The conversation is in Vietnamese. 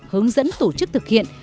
hướng dẫn tổ chức thực hiện